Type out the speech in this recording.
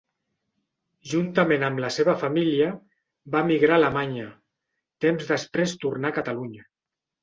Juntament amb la seva família, va emigrar a Alemanya; temps després tornà a Catalunya.